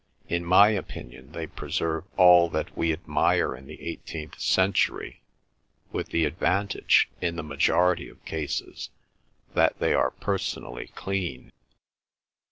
In my opinion they preserve all that we admire in the eighteenth century, with the advantage, in the majority of cases, that they are personally clean.